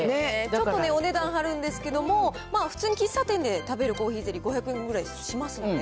ちょっとお値段張るんですけど、普通に喫茶店で食べるコーヒーゼリー、５００円ぐらいしますよね。